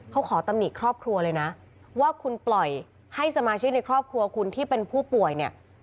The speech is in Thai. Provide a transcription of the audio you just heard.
เขาขอตำหนิครอบครัวเลยนะว่าคุณปล่อยให้สมาชิกในครอบครัวคุณที่เป็นผู้ป่วยเนี่ย